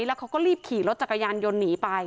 แล้วเขาก็รีบขี่รถจักรยานยนต์หนีไป